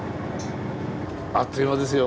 あっという間ですよ